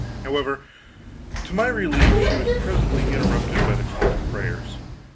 However, to my relief she was presently interrupted by the call to prayers.